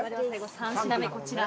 ３品目、こちら。